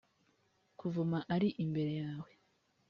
kuvuma ari imbere yawe